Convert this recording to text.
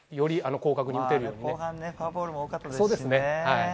後半フォアボールも多かったですしね。